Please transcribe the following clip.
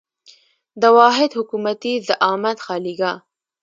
د واحد حکومتي زعامت خالیګاه.